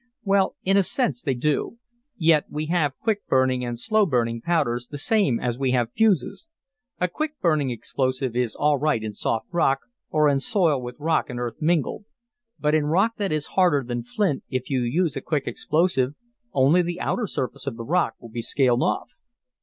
"Well, in a sense, they do. Yet we have quick burning and slow burning powders, the same as we have fuses. A quick burning explosive is all right in soft rock, or in soil with rock and earth mingled. But in rock that is harder than flint if you use a quick explosive, only the outer surface of the rock will be scaled off.